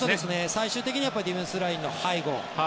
最終的にはディフェンスラインの背後。